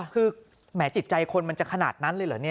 คือแหมจิตใจคนมันจะขนาดนั้นเลยเหรอเนี่ย